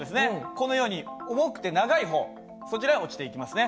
このように重くて長い方そちらへ落ちていきますね。